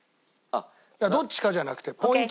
どっちかじゃなくてポイント数だけ。